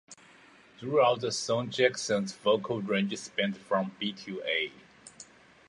Throughout the song Jackson's vocal range spans from B to A.